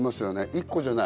１個じゃない。